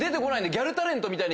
ギャルタレントみたいに。